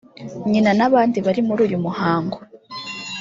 nyina n’abandi bari muri uyu muhango